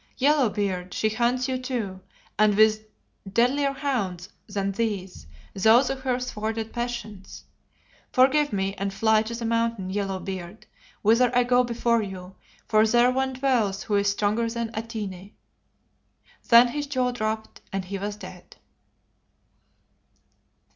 Yellow beard, she hunts you too and with deadlier hounds than these, those of her thwarted passions. Forgive me and fly to the Mountain, Yellow beard, whither I go before you, for there one dwells who is stronger than Atene." Then his jaw dropped and he was dead.